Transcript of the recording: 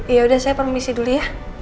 ya udah saya permisi dulu ya